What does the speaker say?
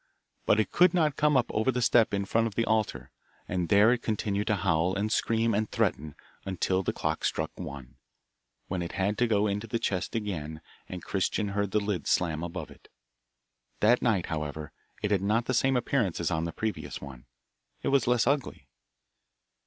But it could not come up over the step in front of the altar, and there it continued to howl, and scream, and threaten, until the clock struck one, when it had to go into the chest again, and Christian heard the lid slam above it. That night, however, it had not the same appearance as on the previous one; it was less ugly.